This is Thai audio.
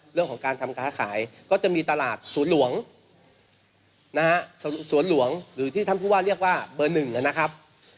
เรื่องของการทำค้าขายก็จะมีตลาดสวนหลวงนะฮะสวนหลวงหรือที่ท่านผู้ว่าเรียกว่าเบอร์หนึ่งนะครับ